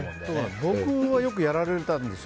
僕、よくやられたんですよ。